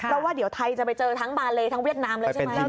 เพราะว่าเดี๋ยวไทยจะไปเจอทั้งบาเลทั้งเวียดนามเลยใช่ไหม